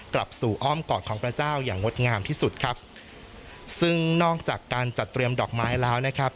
กลับสู่อ้อมกอดของพระเจ้าอย่างงดงามที่สุดครับซึ่งนอกจากการจัดเตรียมดอกไม้แล้วนะครับ